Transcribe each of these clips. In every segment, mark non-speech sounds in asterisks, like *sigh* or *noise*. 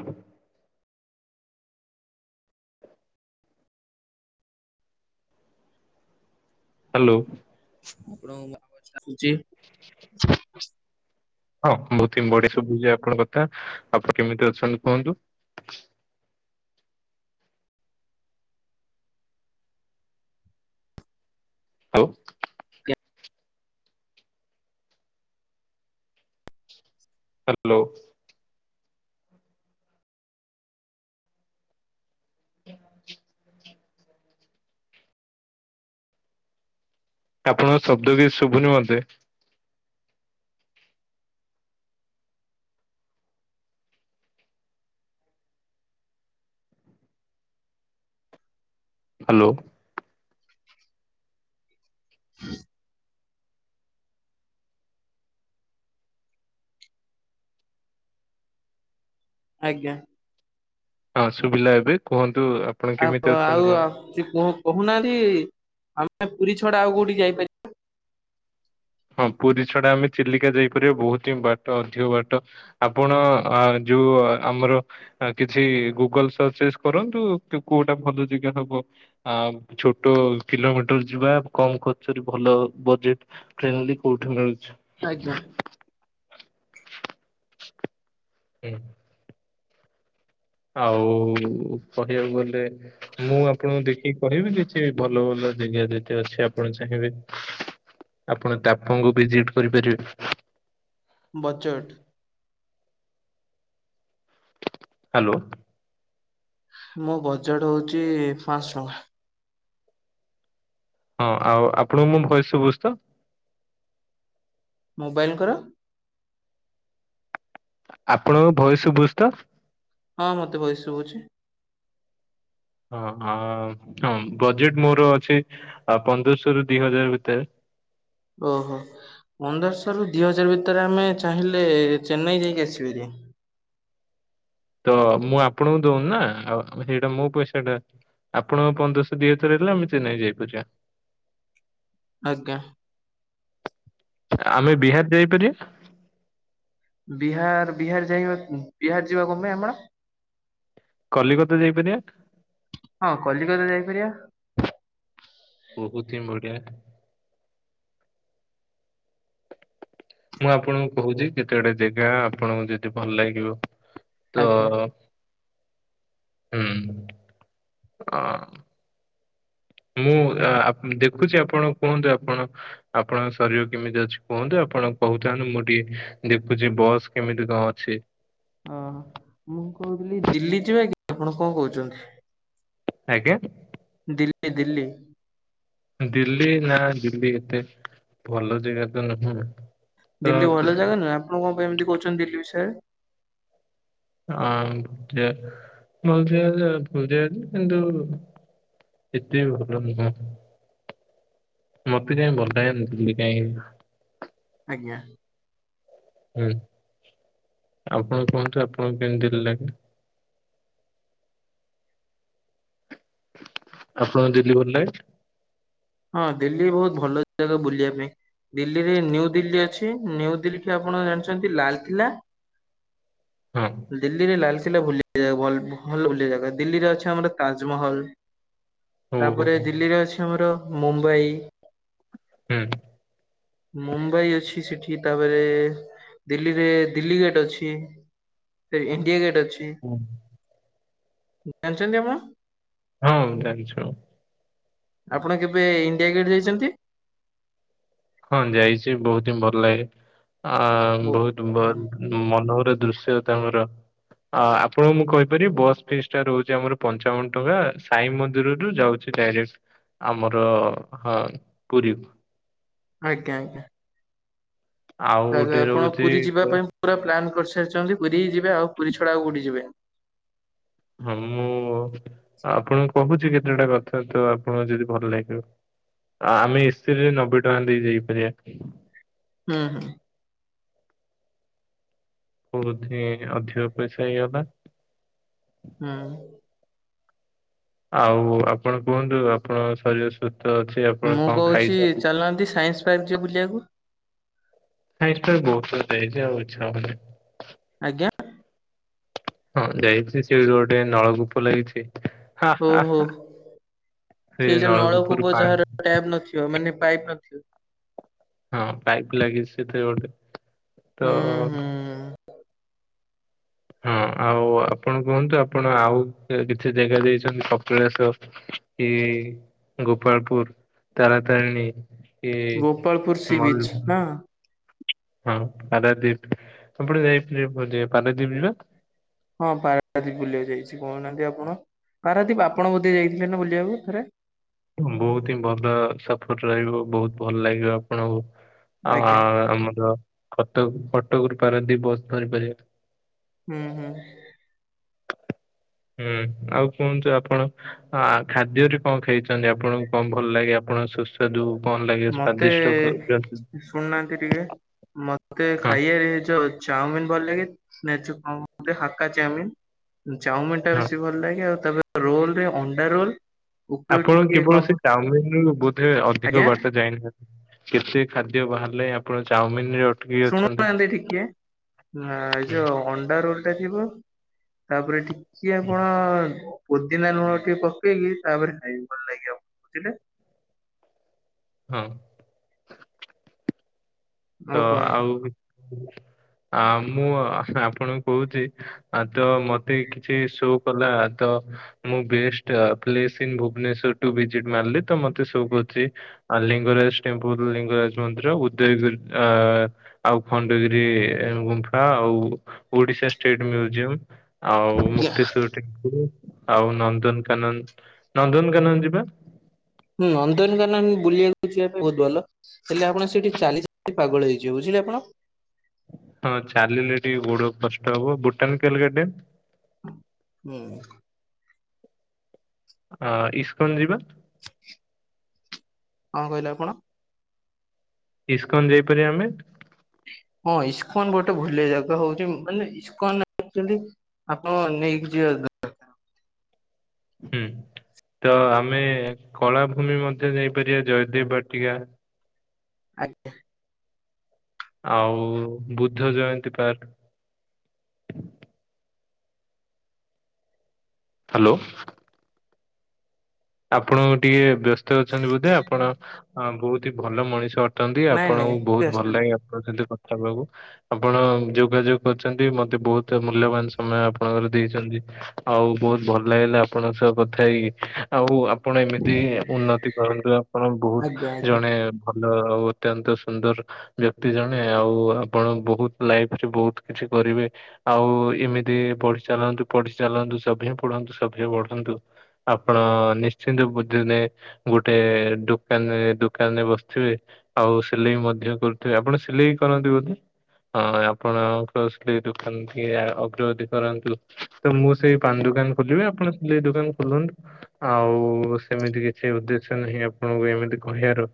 ହ ହ୍ୟାଲୋ। ଆପଣ *unintelligible* ଚାଲୁଛି ହଁ ବହୁତ ହିଁ ବଢିଆ ଶୁବୁଚି ଆପଣଙ୍କ କଥା। ଆପଣ କେମିତି ଅଛନ୍ତି କୁହନ୍ତୁ? ହଉୋ। ହ୍ୟାଲୋ। ହଁ ଆପଣଙ୍କ ଶବ୍ଦ ବି ଶୁଭୁନି ମତେ। ହ୍ୟାଲୋ। ହ ଆଜ୍ଞା। ହଁ ଶୁଭିଲା ଏବେ କୁହନ୍ତୁ ଆ ଆଉ ଆଉ ସେ କହୁନାହାନ୍ତି ଆମେ ପୁରୀ ଛଡା ଆଉ କୋଉଠି ଯାଇପାରି ହଁ ପୁରୀ ଛଡା ଆମେ ଚିଲିକା ଯାଇପାରିବା ବହୁତ ହିଁ ବାଟ ଅଧିକ ବାଟ। ଆପଣ ଆ ଯୋଉ ଆମର ଆ କିଛି ଗୁଗଲ ସର୍ଚସ କରନ୍ତୁ କି କୋଉଟା ଭଲ ଜାଗା ହବ। ଆ ଛୋଟ କିଲୋମିଟର ଯିବା କମ ଖର୍ଚ୍ଚରେ ଭଲ ବଜେଟ। ଟ୍ରେନଲି କୋଉଠି ଲାଗୁଚି। ଆଜ୍ଞା। ହୁଁ। ଆଉ କହିବାକୁ ଗଲେ ମୁଁ ଆପଣଙ୍କୁ ଦେଖ କି କହିବେ କିଛି ଭଲ ଭଲ ଜାଗା ଯେତେ ଅଛି ଆପଣ ଚାହିଁବେ। ଆପଣ ତାପଙ୍ଗ ଭିଜିଟ କରିପାରିବେ। Budget hello. ମୋ ବଜେଟ ହଉଛି ପାଁଶ ଟଙ୍କା। ହଁ ଆଉ ଆପଣଙ୍କୁ ମୁ ଭୟସ ସୁଭୁଚି ତ। ମୋବାଇଲଙ୍କର ଆପଣଙ୍କ ଭଏୟ ଶୁଭୁଚି ତ। ହଁ ମତେ ଭଏସ ଶୁଭୁଚି। ହଁ ହଁ ବଜେଟ ମୋର ଅଛି ପନ୍ଦରଶହ ରୁ ଦି ହଜାର ଭିତରେ। ଓହୋ ପନ୍ଦରଶହ ରୁ ଦିଇ ହଜାର ଭିତରେ ଆମେ ଚାହିଁଲେ ଚେନ୍ନାଇ ଯାଇକି ଆସିବେ ହେରି। ତ ମୁଁ ଆପଣଙ୍କୁ ଦଉନି ନା ଆଉ ସେଇଟା ମୋ ପଇସାଟା। ଆପଣଙ୍କ ପନ୍ଦରଶହ ଦି ହଥର ହେଲା ଆମେ ଚେନ୍ନାଇ ଯାଇପାରିବା। ଆଜ୍ଞା। ଆମେ ବିହାର ଯାଇପାରିବା। ବିହାର ବିହାର ଯାଇବା ବିହାର ଯିବା କଣ ପାଇଁ ଆମର। କଲିକତା ଯାଇପାରିବା। ହଁ କଲିକତା ଯାଇପାରିବା। ବହୁତ ହିଁ ବଢିଆ। ମୁଁ ଆପଣଙ୍କୁ କହୁଛି କେତେ ଗୁଡେ ଜାଗା ଆପଣଙ୍କୁ ଯଦି ଭଲ ଲାଗିବ। ତ ଆଜ୍ଞା ହୁଁ ଅ ମୁଁ ଆ ଦେଖୁଛି ଆପଣ କୁହନ୍ତୁ ଆପଣ ଆପଣଙ୍କ ଶରୀର କେମିତି ଅଛି କୁହନ୍ତୁ ଆପଣ କହୁଥାନ୍ତୁ ମୁଁ ଟିକେ ଦେଖୁଛି ବସ୍ କେମିତି କଣ ଅଛି? ଓହ ମୁଁ କହୁଥିଲି ଦିଲ୍ଲୀ ଯିବା କି ଆପଣ କଣ କହୁଛନ୍ତି। ଆଜ୍ଞା। ଦିଲ୍ଲୀ ଦିଲ୍ଲୀ। ଦିଲ୍ଲୀ ନା ଦିଲ୍ଲୀ ଏତେ ଭଲ ଜାଗା ତ ନୁହଁ। ତ ଦିଲ୍ଲୀ ଭଲ ଜାଗା ନୁହଁ ଆପଣ କଣ ପାଇଁ ଏମିତି କହୁଛନ୍ତି ଦିଲ୍ଲୀ ବିଷୟରେ। ହଁ ଭଲ ଭଲ ଜାଗା ଭଲ ଜାଗା ଯେ କିନ୍ତୁ ଏତେ ଭଲ ନୁହଁ। ମତେ କାଇଁ ଭଲ ଲାଗେନି କାଇଁ। ଆଜ୍ଞା। ହୁଁ ଆପଣ କୁହନ୍ତୁ ଆପଣଙ୍କୁ କେମିତି ଲାଗେ। ଆପଣଙ୍କୁ ଦିଲ୍ଲୀ ଭଲ ଲାଗେ? ହଁ ଦିଲ୍ଲୀ ବହୁତ ଭଲ ଜାଗା ବୁଲିବା ପାଇଁ। ଦିଲ୍ଲୀରେ ନିୁ ଦିଲ୍ଲୀ ଅଛି ଦିଲ୍ଲୀ ଆପଣ ଜାଣିଛନ୍ତି ଲାଲକିଲ୍ଲା। ହଁ ଦିଲ୍ଲୀରେ ଲାଲକିଲ୍ଲା ଭୁଲି ଭଲ ହଲ ଓଆ ଜାଗା ଦିଲ୍ଲୀରେ ଅଛି ଆମର ତାଜମହଲ ହଉ ତାପରେ ହଉ ଦିଲ୍ଲୀରେ ଅଛି ଆମର ମୁମ୍ବାଇ ହୁଁ। ମୁମ୍ବାଇ ଅଛି ସେଠି ତାପରେ ଦିଲ୍ଲୀରେ ଦିଲ୍ଲୀ ଗେଟ ଅଛି। ସେ ଇଣ୍ଡିଆ ଗେଟ୍ ଅଛି। ହୁଁ। ଜାଣିଛନ୍ତି ଆପଣ। ହଁ ଜାନିଛୁ। ଆପଣ କେବେ ଇଣ୍ଡିଆ ଗେଟ୍ ଯାଇଛନ୍ତି। ହଁ ଯାଇଛି ବହୁତ ହିଁ ଭଲ ଲାଗେ ଆ ବୋ ବହୁତ ହୁଁ, ଭଲ ମନୋହର ଦୃଶ୍ୟ ତାଙ୍କର। ଅ ଆପଣଙ୍କୁ ମୁଁ କହିପାରିବି ବସ୍ ଫିସ୍ ଟା ରହୁଛି ଆମର ପଞ୍ଚାବନ ଟଙ୍କା ସାଇ ମନ୍ଦିରରୁୁ ଯାଉଛି। ସେ ଡାଇରେକ୍ଟ ଆମର ହଁ ପୁରୀକୁ। ଆଜ୍ଞା ଆଜ୍ଞା। ଆଉ ଗୋଟେ ତାହେଲେ ଆପଣ ରହୁଛି ପୁରୀ ଯିବା ତ- ପାଇଁ ପୁରା ପ୍ଲାନ୍ କରିସାରିଛନ୍ତି ପୁରୀ ଯିବେ ଆଉ ପୁରୀ ଛଡା ଆଉ କଉଠି ଯିବେନି। ହଁ ମୁଁ ଆପଣଙ୍କୁ କହୁଛି କେତେଟା କଥା ତ ଆପଣଙ୍କୁ ଯଦି ଭଲ ଲାଗିବ। ଆଉ ଆମେ ଏ୍ରୀରେ ନବେ ଟଙ୍କା ଦେଇ ଯାଇପାରିବା ହୁଁ ହୁଁ। ବୋଧ ଅଧିକ ପଇସା ହେଇଗଲା। ହୁଁ। ଆଉ ଆପଣ କୁହନ୍ତୁ ଆପଣଙ୍କ ଶରୀର ସୁସ୍ଥ ଅଛି। ଆପଣ ମୁଁ କଣ କହୁଛି ଖାଇଛନ୍ତି? ଚାଲନାହାନ୍ତି ସାଇନ୍ସ ପାର୍କ ଯିବ ବୁଲିବାକୁ। ହଁଇଟା ବି ବହୁତ କ ହେଇଛି ଆଉ ଛ *unintelligible* ଆଜ୍ଞା। ହଁ ଯାଇଛି ସେଠି ଗୋଟେ ନଳକୂପ ଲାଗିଛି। ହ ଓହୋ। ସେ ସେଇ ଯୋଉ ନଳକୂପ ନଳକୂପୁର ଯାହାର ପାଣି ଟ୍ୟାପ ନଥିବ ମାନେ ପାଇପ୍ ନଥିବ। ହଁ ପାଇପ୍ ଲାଗିଛି ସେଥି ଗୋଟେ ତ ହୁଁ ହୁଁ। ହଁ ଆଉ ଆପଣ କୁହନ୍ତୁ ଆପଣ ଆଉ କିଛି ଜାଗା ଜାଇଛନ୍ତି କପିଳାସ। ଏ ଗୋପାଳପୁର ତାରାତାରିଣୀ। କି ଗୋପାଳପୁର ସି ମ ବିଚ୍ ନା *unintelligible* ହଁ ପାରାଦୀପ ଆପଣେ ଯାଇେ ପାରାଦୀପ ଯିବା *unintelligible* ହଁ ପାରାଦୀପ ବୁଲିବାକୁ ଯାଇଛି କହୁନାହାନ୍ତି ଆପଣ ପାରାଦୀପ ଆପଣ ବୋଧେ ଯାଇଥିଲେ ନା ବୁଲିବାକୁ ଥରେ। ବହୁତ ହିଁ ଭଲ ସଫର ରହିବ ବହୁତ ଭଲ ଲାଗିବ ଆପଣଙ୍କୁ। ଆଉ ଆଜ୍ଞା ଆମର କଟ କଟକ ରପାରେ ଦି ବସ୍ ଧରି ପାରିବେ। ହୁଁ ହୁଁ। ହୁଁ ଆଉ କୁହନ୍ତୁ ଆପଣ ଆ ଖାଦ୍ୟରେ କଣ ଖାଇଛନ୍ତି ଆପଣଙ୍କୁ କଣ ଭଲ ଲାଗେ ଆପଣ ସୁସ୍ଥ ଯଦୁ କଣ ଲାଗେ ମତେ ସ୍ଵାଦିଷ୍ଟ ଶୁଣୁନାହାନ୍ତି ଟିକେ ମତେ ହଁ ଖାଇବାରେ ଯୋଉ ଚାଉମିନ ଭଲ ଲାଗେ। ନଚୁ କେ ହାକା ଚ୍ୟାମିନ୍ *unintelligible* ଚାଉମିନ ଟା ହଁ ବେଶୀ ଭଲ ଲାଗେ ଆଉ ତାପରେ ରୋଲ ଅଣ୍ଡା ରୋଲ ଉପରୁ ଆପଣ ଟିକେ କଣ କେବଳ ସେ ପଡେ- ଚାଉମିନ ରୁ ବୋଧେ ଅଧିକ ଆଜ୍ଞା ବାର୍ଷା ଯାଇନହା କେତେ ଖାଦ୍ୟ ବାହାରିଲେ ଆପଣ ଚାଉମିନ ରେ ଶୁଣୁନାହାନ୍ତି ଟିକେ ଏ ହୁଁ, ଯୋଉ ଅଣ୍ଡା ରୋଲ ଟା ଥିବ ତାପରେ ଟିକେ ଆପଣ ପୋଦିନା ଲୁଣ ଟିକେ ପକେଇକି ତାପରେ ଖାଇବେ ଭଲ ଲାଗିବ ବୁଝିଲେ। ହଁ। ତ ଆଉ ଆ ମୁଁ ଆପଣଙ୍କୁ କହୁଚି ଆ ତ ମତେ କିଛି ଶୋ କଲା ତ ମୁଁ best place in Bhubaneswar to visit ମାରିଲି ତ ମତେ ଶୋ କରୁଚି ଅ ଲିଙ୍ଗରାଜ ଟେମ୍ପଲ ଲିଙ୍ଗରାଜ ମନ୍ଦିର ଉଦ୍ୟୟଗୁରି ଅ ଆଉ ଖଣ୍ଡଗିରି ଗୁମ୍ଫା ଆଉ ଓଡିଶା ଷ୍ଟେଟ୍ ମ୍ୟୁଜିୟମ୍ ଆଉ ଆଜ୍ଞା ମୁକ୍ତିେଶ୍ୱର *unintelligible* ଆଉ ନନ୍ଦନକାନନ ନନ୍ଦନକାନନ ଯିବା। ହୁଁ ଅନ୍ଦନକାନ ବୁଲିବାକୁ ଯିବା ବହୁତ ଭଲ। ହେଲେ ଆପଣ ସେଇଠି ଚାଲି ଚାଲି ପାଗଳ ହେଇଯିବେ ବୁଝିଲେ ଆପଣ। ହଁ ଚାଲିଲେ ଟିକେ ଗୋଡ କଷ୍ଟ ହବ ଭୁଟାନ କାଲ ଗାର୍ଡେନ ହୁଁ। ଆ ଇସ୍କନ ଯିବା। କଁ କହିଲେ ଆପଣ? ଇସ୍କନ ଯାଇପାରିବା ଆମେ? ହଁ ଇସ୍କନ ଗୋଟେ ଭଲ ଜାଗା ହଉଚି ମାନେ ଇସ୍କନ ଆକଚୁଆଲି। ଆପଣ ନେଇକି ଯିବେ ହୁଁ ତ ଆମେ କଳାଭୂମି ମଧ୍ୟ ଯାଇପାରିବା ଜୟଦେବ ବାଟିକା। ଆଜ୍ଞା। ଆଉ ବୁଦ୍ଧ ଜୟନ୍ତୀ ପାର୍କ ହ୍ୟାଲୋ। ଆପଣ ଟିକେ ବ୍ୟସ୍ତ ଅଛନ୍ତି ବୋଧେ ଆପଣ ବହୁତ ହି ଭଲ ମଣିଷ ଅ ଅଟନ୍ତି ନାଇଁ ନାଇଁ ଆପଣଙ୍କୁ ଟିକେ ବହୁତ ଭଲ ଆସନ୍ତୁ। ଲାଗି କଥା ହେବାକୁ ଆପଣ ଯୋଗାଯୋଗ କରିଚନ୍ତି ମତେ ବହୁତ ତେ ମୂଲ୍ୟବାନ ସମୟ ଆପଣଙ୍କର ଦେଇଚନ୍ତି ଆଉ ବହୁତ ଭଲ ଲାଗିଲା ଆପଣଙ୍କ ସହ କଥା ହେଇକି। ଆଉ ଆପଣ ଏମିତି ଉନ୍ନତି କରନ୍ତୁ ଆପଣ ବହୁତ ଆଜ୍ଞା ଆଜ୍ଞା। ଜଣେ ଭଲ ଆଉ ଅତ୍ୟନ୍ତ ସୁନ୍ଦର ବ୍ୟକ୍ତି ଜଣେ ଆଉ ଆପଣ ବହୁତ ଲାଇଫରେ ବହୁତ କିଛି କରିବେ। ଆଉ ଏମିତି ପଢି ଚାଲନ୍ତୁ ପଢି ଚାଲନ୍ତୁ ସଭି ପଢନ୍ତୁ ସ ପଢନ୍ତୁ। ଆପଣ ନିଶ୍ଚିନ୍ତ ବୁେ ଗୋଟେ ଦୋକାନରେ ଦୋକାନରେ ବସିଥିବେ। ଆଉ ସିଲେଇ ମଧ୍ୟ କରୁଥିବେ। ଆପଣ ସିଲେଇ କରନ୍ତି ବୋଧେ? ହଁ ଆପଣଙ୍କସ ଦୋକାନ କି ଅଗ୍ରଗତି କରନ୍ତୁ। ତ ମୁଁ ସେଇ ପାନ ଦୋକାନ ଖୋଲିବି ଆପଣ ସିଲେଇ ଦୋକାନ ଖୋଲନ୍ତୁ। ଆଉ ସେମିତି କିଛି ଉଦ୍ଦେଶ୍ୟ ନାହିଁ ଆପଣଙ୍କୁ ଏମିତି କହିବାର।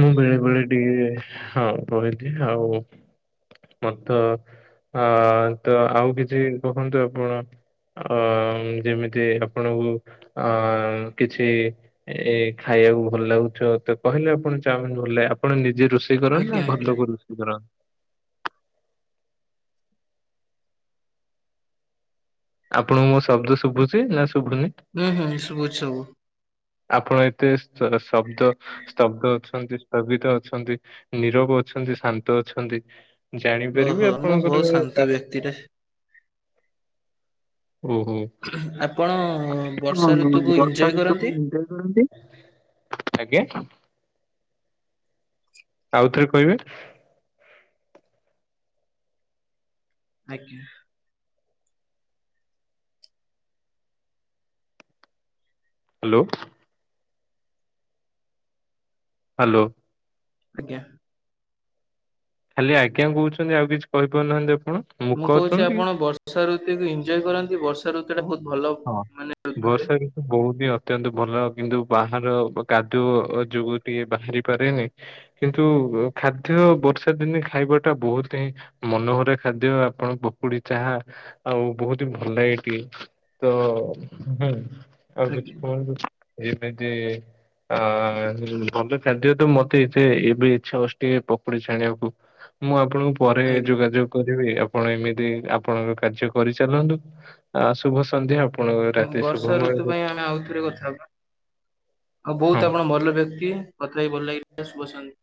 ମୁଁ ବେଳେବେଳେ ଟିକେ ହଁ ରହିଲି ଆଉ ମତ ଆ ତ ଆଉ କିଛି କଖନ୍ତୁ ଆପଣ ଅ ଯେମିତି ଆ ଆପଣଙ୍କୁ ଅ କିଛି। ଏ ଖାଇବାକୁ ଭଲ ଲାଗୁଚ ତ କହିଲେ ଆପଣ ଚାମିନ ଭଲ ଲାଗେ ଆପଣ ନିଜେ ରୋଷେଇ ରୋଷେଇ କର ଆଜ୍ଞା ନାଁ ଆଜ୍ଞା ଭଲ କ ରୋଷେଇ କର। ଆପଣଙ୍କୁ ମୋ ଶବ୍ଦ ଶୁଭୁଚି ନାଁ ଶୁଭୁନି? ହୁଁ ହୁଁ ସୁବୁଚି ସବୁ। ଆପଣ ଏତେ ଶବ୍ଦ। ସ୍ତବ୍ଧ ଅଛନ୍ତି ସ୍ତବିତ ଅଛନ୍ତି ନିରବ ଅଛନ୍ତି ଶାନ୍ତ ଅଛନ୍ତି। ଜାଣିପାରିବି ଓହୋ ମୁଁ ବହୁତ ଆପଣଙ୍କର ଶାନ୍ତ କାରଣ। ବ୍ୟକ୍ତିଟେ। ଓହୋ। ଆପଣ ବର୍ଷା ଋତୁକୁ ଏଞ୍ଜୟ କରନ୍ତି? ଏଞ୍ଜୋଏ କରନ୍ତି‌ ଆଜ୍ଞା। ଆଉଥରେ କହିବେ? ଆଜ୍ଞା। ହାଲୋ। ହାଲୋ। ଆଜ୍ଞା। ଖାଲି ଆଜ୍ଞା କହୁଚନ୍ତି ଆଉ କିଛି କହିପାରୁନାହାନ୍ତି ଆପଣ? ମୁଁ ମୂକ କହୁଚି ଅଛନ୍ତି କି? ଆପଣ ବର୍ଷା ଋତୁକୁ ଏଇଞ୍ଜୟ କରନ୍ତି ବର୍ଷା ଋତୁ ଟା ବହୁତ୍ ଭଲ। ହଁ ମାନେ ଋତୁଟେ ବର୍ଷା ଋ ବହୁତ୍ ହିଁ ଅତ୍ୟନ୍ତ ଭଲ କିନ୍ତୁ ବାହାର କାଦୁଅ ଯୋଗୁଁ ଟିକେ ବାହାରି ପାରେନି। କିନ୍ତୁ ଖାଦ୍ୟ ବର୍ଷା ଦିନେ ଖାଇବା ଟା ବହୁତ୍ ହିଁ ମନୋହରା ଖାଦ୍ୟ ଆପଣ ପକୁଡି ଚାହା ଆଉ ବହୁତ୍ ଭଲ ଲାଗେ ଏଠି। ତ ହ ଆଉ କିଛି ଆଜ୍ଞା କଣ ଏମିତି ଆ ଭଲ ଖାଦ୍ୟ ତ ମତେ ଏତ ଏବେ ଇଚ୍ଛା ହଷ୍ଟଛି ପଖୋଡି ଛାଣିବାକୁ। ମୁଁ ଆପଣଙ୍କୁ ପରେ ଆଜ୍ଞା ଯୋଗାଯୋଗ କରିବି ଆବ୍ ଆପଣ ଏମିତି ଆପଣଙ୍କ କାର୍ଯ୍ୟ କରିଚାଲନ୍ତୁ ଆ ଶୁଭ ସନ୍ଧ୍ୟା। ଆପଣଙ୍କ ରାତି ବର୍ଷା ଶୁଭମୟ ଋତୁ ହଉ। ପାଇଁ ଆମେ ଆଉଥରେ କଥା ହେବା ଆଉ ବହୁତ୍ ହଁ। ଆପଣ ଭଲ ବ୍ୟକ୍ତି। କଥା ହେଇକି ଭଲ ଲାଗିଲା ଶୁଭ ସନ୍ଧ୍